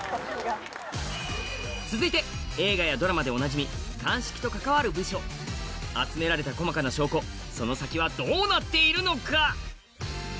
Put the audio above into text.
続いて映画やドラマでおなじみ鑑識と関わる部署集められた細かな証拠その先はどうなっているのか？